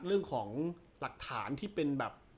เรื่องของหลักฐานที่เป็นแบบ